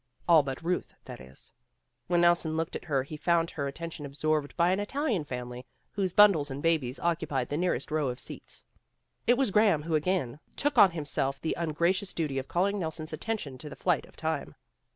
All but Ruth, that is. When Nelson looked at her he found her at tention absorbed by an Italian family, whose bundles and babies occupied the nearest row of seats. It was Graham who again took on himself the ungracious duty of calling Nelson's atten tion to the flight of time.